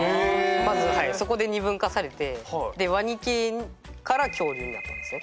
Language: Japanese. まずそこで２分化されてでワニ系から恐竜になったんですね。